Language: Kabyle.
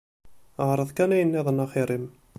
Ԑreḍ kan ayen nniḍen axir-im.